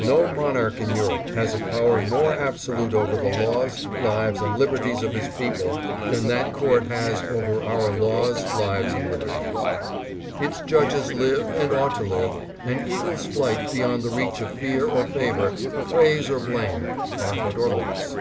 No monarch in Europe has a power more absolute over the laws, lives, and liberties of his people than that court has over our laws, lives and liberties ADDRESS AT LINCOLN HALL. 659 Its judges live, and ought to live, an eagle's flight beyond the reach of fear or favor, praise or blame, profit or loss.